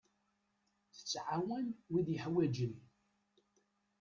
Tettɛawan wid yeḥwaǧen.